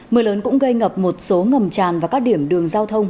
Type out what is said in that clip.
mưa lớn cũng gây ngập một số ngầm tràn và các điểm đường giao thông